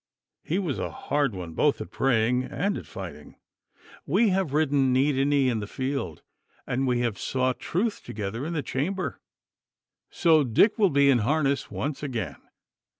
He was a hard one both at praying and at fighting. We have ridden knee to knee in the field, and we have sought truth together in the chamber. So, Dick will be in harness once again!